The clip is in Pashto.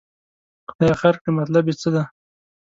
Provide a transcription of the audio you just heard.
خدای خیر کړي، مطلب یې څه دی.